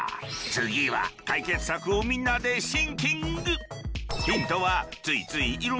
次は解決策をみんなでシンキング！